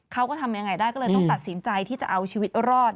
เขาก็ทำยังไงได้ก็เลยต้องตัดสินใจที่จะเอาชีวิตรอด